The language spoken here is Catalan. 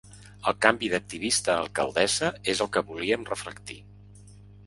El canvi d’activista a alcaldessa és el que volíem reflectir.